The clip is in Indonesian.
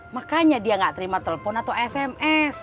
makanya dia nggak terima telepon atau sms